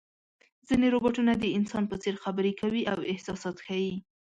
ځینې روباټونه د انسان په څېر خبرې کوي او احساسات ښيي.